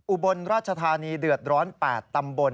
อุบลราชธานีเดือดร้อน๘ตำบล